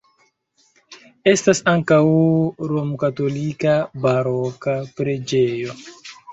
Estas ankaŭ romkatolika baroka preĝejo.